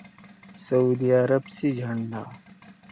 صعودی عرب سی جھندا